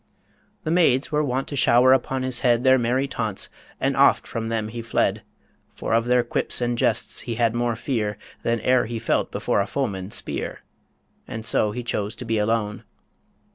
The maids were wont to shower upon his head Their merry taunts, and oft from them he fled; For of their quips and jests he had more fear Than e'er he felt before a foeman's spear And so he chose to be alone.